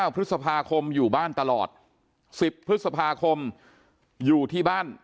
พฤษภาคมอยู่บ้านตลอด๑๐พฤษภาคมอยู่ที่บ้าน